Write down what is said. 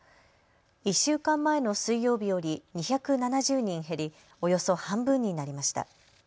１週間前の水曜日より２７０人減りおよそ半分になりました。